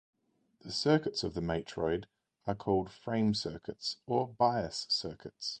The circuits of the matroid are called frame circuits or bias circuits.